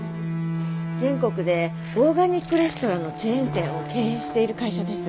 全国でオーガニックレストランのチェーン店を経営している会社です。